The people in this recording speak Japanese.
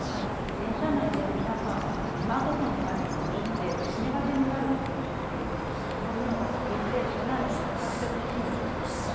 電車内で皆さん、スマートフォンの画面を見入って伏し目がちになると思うんですけれどもその目を上げて車内を見渡してほしいんです。